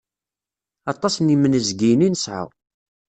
Aṭas n inmezgiyen i nesɛa.